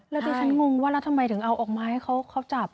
และทุกท่านงงนะทำไมถึงเอาออกมาให้เขาจับ